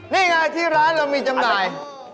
นี่ไงที่ร้านเรามีจำหน่าย